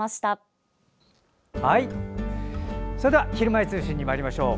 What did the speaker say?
「ひるまえ通信」にまいりましょう。